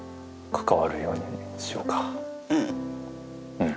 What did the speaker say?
うん。